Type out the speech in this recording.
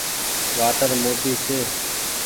وآٽر موٽي ڇي۔